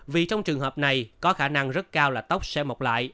vì trong trường hợp này có khả năng rất cao là tốc sẽ mọc lại